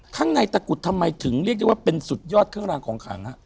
ข้างในตะกุดทำไมถึงเรียกได้ว่าเป็นสุดยอดเครื่องรางของขังฮะ